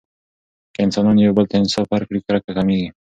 که انسانانو یو بل ته انصاف ورکړي، کرکه کمېږي.